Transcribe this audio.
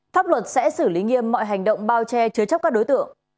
pháp luật sẽ xử lý nghiêm mọi hành động bao che chứa chấp các đối tượng